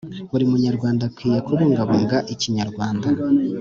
buri munyarwanda akwiye kubungabunga ikinyarwanda,